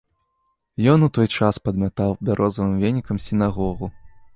Ён у той час падмятаў бярозавым венікам сінагогу.